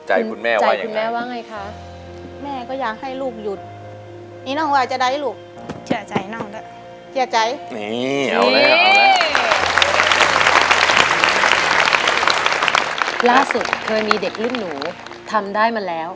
อันนี้คุณแม่